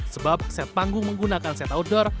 sebab set panggung menggunakan set outdoor